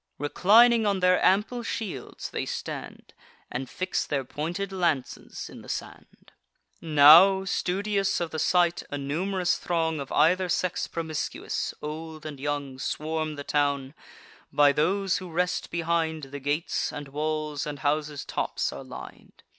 Reclining on their ample shields, they stand, And fix their pointed lances in the sand. Now, studious of the sight, a num'rous throng Of either sex promiscuous, old and young, Swarm the town: by those who rest behind, The gates and walls and houses' tops are lin'd.